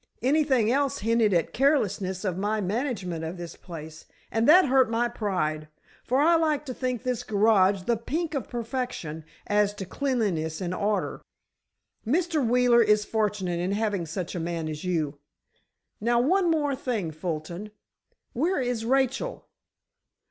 Anything else hinted at carelessness of my management of this place, and that hurt my pride, for I like to think this garage the pink of perfection as to cleanliness and order." "Mr. Wheeler is fortunate in having such a man as you. Now, one more thing, Fulton; where is Rachel?"